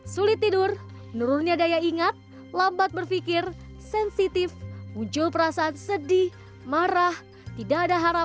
sulit tidur menurunnya daya ingat lambat berpikir sensitif muncul perasaan sedih marah tidak ada harapan